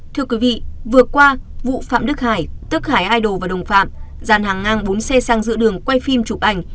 thưa quý vị vừa qua vụ phạm đức hải tức hải idol và đồng phạm dàn hàng ngang bốn xe sang giữa đường quay phim chụp ảnh